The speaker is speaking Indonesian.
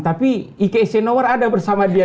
tapi i k eisenhower ada bersama dia